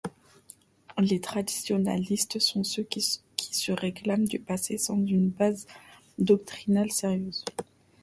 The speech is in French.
Les traditionalistes sont ceux qui se réclament du passé sans une base doctrinale sérieuse.